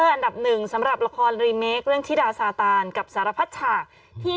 อันดับหนึ่งสำหรับละครรีเมคเรื่องธิดาซาตานกับสารพัดฉากที่